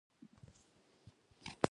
بل سړي باز واخیست او درملنه یې وکړه.